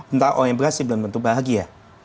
entah orang yang berhasil benar benar bahagia